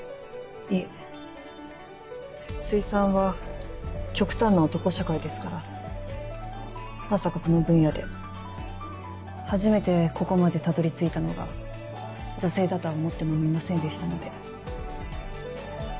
いえ水産は極端な男社会ですからまさかこの分野で初めてここまでたどり着いたのが女性だとは思ってもみませんでしたので。